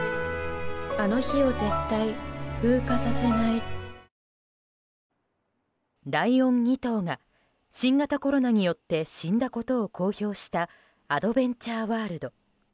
ＳＵＮＴＯＲＹライオン２頭が新型コロナによって死んだことを公表したアドベンチャーワールド。